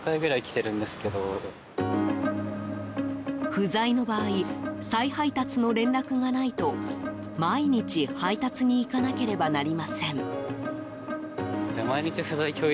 不在の場合再配達の連絡がないと毎日、配達に行かなければなりません。